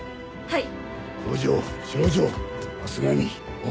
はい！